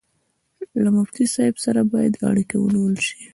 له مفتي صاحب سره باید اړیکه ونیول شي.